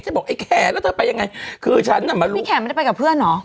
บอกไอ้แขนแล้วเธอไปยังไงคือฉันน่ะมาพี่แขกไม่ได้ไปกับเพื่อนเหรอ